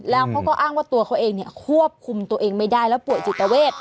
แล้วเขาก็อ้างว่าตัวเขาเองเนี่ยควบคุมตัวเองไม่ได้แล้วป่วยจิตเวท